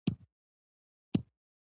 قوش تیپه د شمال دښتې زرغونوي